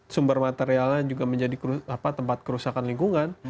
sumber materialnya juga menjadi tempat kerusakan lingkungan